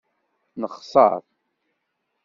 Nexṣeṛ.